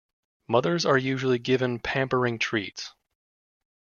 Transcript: Mothers are usually given pampering treats.